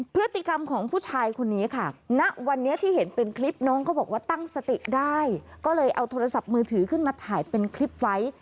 พฤติกรรมของผู้ชายคนนี้ค่ะณวันนี้ที่เห็นเป็นคลิปน้องเขาบอกว่าตั้งสติได้ก็เลยเอาโทรศัพท์มือถือขึ้นมาถ่ายเป็นคลิปไว้